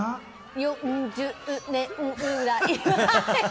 ４０年ぐらい？